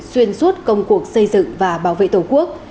xuyên suốt công cuộc xây dựng và bảo vệ tổ quốc